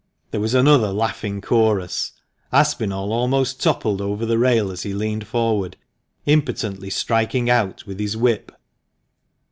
There was another laughing chorus. Aspinall almost toppled over the rail as he leaned forward, impotently striking out with his whip.